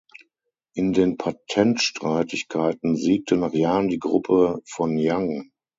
In den Patentstreitigkeiten siegte nach Jahren die Gruppe von Young.